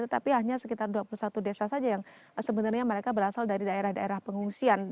tapi hanya sekitar dua puluh satu desa saja yang sebenarnya mereka berasal dari daerah daerah pengungsian